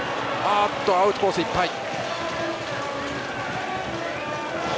アウトコース、いっぱい。